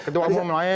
ketua umum lain